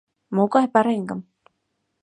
Могай пареҥгым?